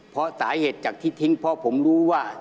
ที่สาเหตุจากที่ทิ้งพ่อผมรู้ว่า